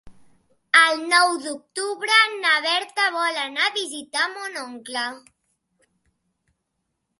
El nou d'octubre na Berta vol anar a visitar mon oncle.